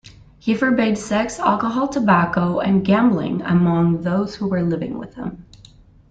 He forbade sex, alcohol, tobacco and gambling among those who were living with him.